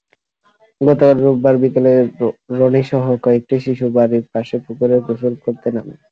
গতকাল রোববার বিকেলে রনিসহ কয়েকটি শিশু বাড়ির পাশে পুকুরে গোসল করতে নামে।